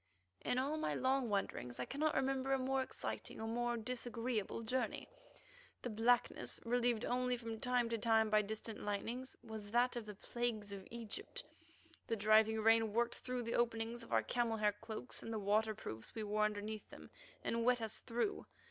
In all my long wanderings I cannot remember a more exciting or a more disagreeable journey. The blackness, relieved only from time to time by distant lightnings, was that of the plagues of Egypt; the driving rain worked through the openings of our camel hair cloaks and the waterproofs we wore underneath them, and wet us through.